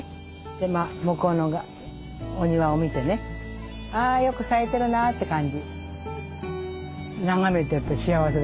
で向こうのお庭を見てねあよく咲いてるなって感じ。